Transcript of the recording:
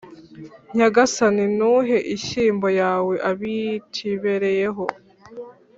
nyagasani, ntuhe inshyimbo yawe abatibereyeho